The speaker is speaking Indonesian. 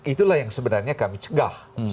itulah yang sebenarnya kami cegah